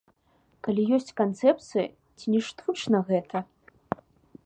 Калі ёсць канцэпцыя, ці не штучна гэта?